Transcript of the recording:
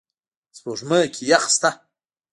سپوږمۍ کې یخ شته